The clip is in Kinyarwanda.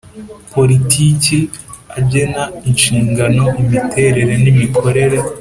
Politiki agena inshingano imiterere n imikorere